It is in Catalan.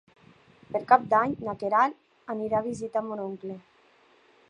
Per Cap d'Any na Queralt anirà a visitar mon oncle.